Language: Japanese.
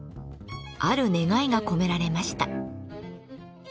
ある願いが込められました。